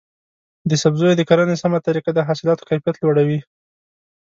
د سبزیو د کرنې سمه طریقه د حاصلاتو کیفیت لوړوي.